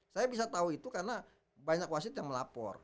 saya bisa tahu itu karena banyak wasit yang melapor